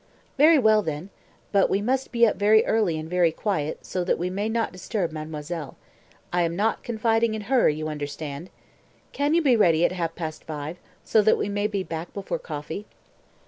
"Very well, then. But we must be very early and very quiet, so that we may not disturb mademoiselle. I am not confiding in her, you understand. Can you be ready at half past five, so that we may be back before coffee?"